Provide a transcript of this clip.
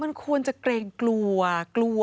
มันควรจะเกรงกลัว